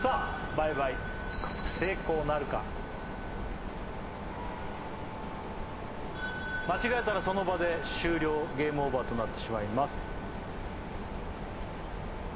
倍買成功なるか間違えたらその場で終了ゲームオーバーとなってしまいます